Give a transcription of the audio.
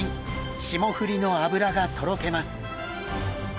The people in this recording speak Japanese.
霜降りの脂がとろけます！